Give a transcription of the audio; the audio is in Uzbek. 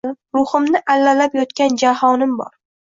Ruhimni allalab yotgan jahonim bor.